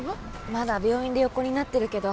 まだ病院で横になってるけど。